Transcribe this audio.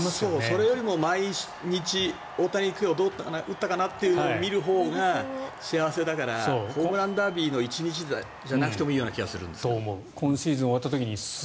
それよりも毎日、大谷、今日打ったかなというのを見るほうが幸せだからホームランダービーの１日じゃなくてもいいような気がする。